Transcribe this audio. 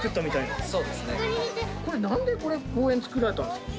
なんでこれ公園作られたんですか？